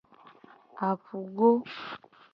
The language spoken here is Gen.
Apugo.